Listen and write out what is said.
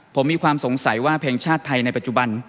ผมมีความสงสัยว่าเพลงชาติไทยในปัจจุบัน